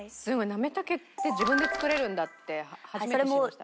なめたけって自分で作れるんだって初めて知りました。